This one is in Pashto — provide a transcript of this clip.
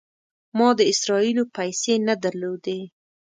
ما د اسرائیلو پیسې نه درلودې.